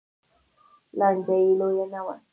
لانجه یې لویه نه وه